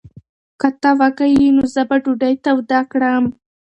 که ته وږی یې، نو زه به ډوډۍ توده کړم.